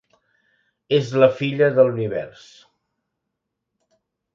És la filla de l'univers.